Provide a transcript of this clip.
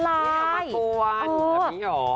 ไม่เอามากลัวอยู่แบบนี้หรอ